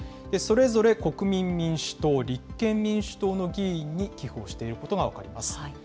それぞれ国民民主党、立憲民主党の議員に寄付をしていることが分かります。